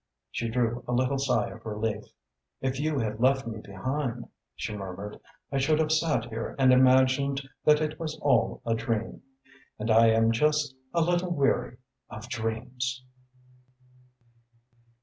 She drew a little sigh of relief. "If you had left me behind," she murmured, "I should have sat here and imagined that it was all a dream. And I am just a little weary of dreams."